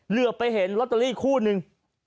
เหลือไปเห็นลอตเตอรี่อีกคู่นึง๘๓๕๕๓๘